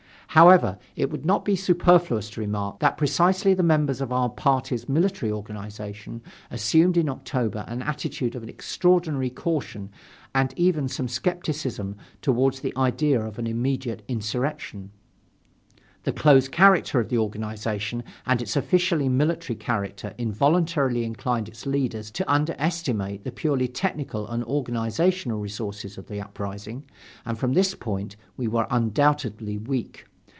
However, it would not be superfluous to remark that precisely the members of our party's military organization assumed in October an attitude of extraordinary caution and even some skepticism toward the idea of an immediate insurrection. The closed character of the organization and its officially military character involuntarily inclined its leaders to underestimate the purely technical and organizational resources of the uprising, and from this point of view we were undoubtedly weak.